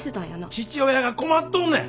父親が困っとんねん。